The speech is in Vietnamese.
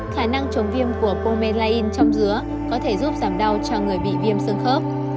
khả năng chống viêm của bromelain trong dứa có thể giúp giảm đau cho người bị viêm sương khớp